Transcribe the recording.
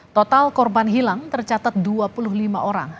total korban hilang tercatat dua puluh lima orang